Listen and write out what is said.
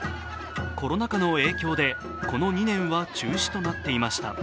コロナ禍の影響で、この２年は中止と成っていました。